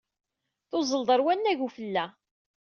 Tuzzled ɣer wannag n ufella.